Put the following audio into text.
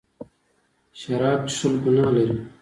شراب څښل ګناه لري.